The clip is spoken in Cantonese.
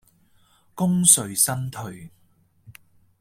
功遂身退